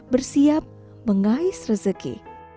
bersiap mengais rezeki